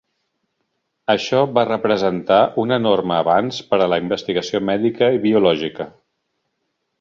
Això va representar un enorme avanç per a la investigació mèdica i biològica.